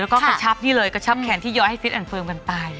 แล้วก็กระชับนี่เลยกระชับแขนที่ย้อยให้ฟิตอันเฟิร์มกันตาย